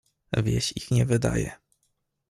"Wieś ich nie wydaje."